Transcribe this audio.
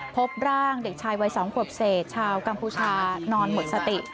พบร่างเด็กชายวัย๒ขวบเศษชาวกัมพูชานอนหมดสติ